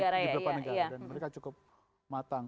di beberapa negara dan mereka cukup matang